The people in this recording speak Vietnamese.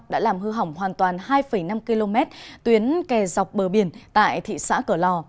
đã làm hư hỏng hoàn toàn hai năm km tuyến kè dọc bờ biển tại thị xã cửa lò